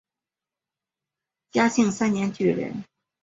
嘉庆三年举人。